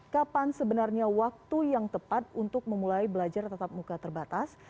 kapan sebenarnya waktu yang tepat untuk memulai belajar tetap muka terbatas